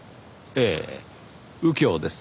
ええ右京です。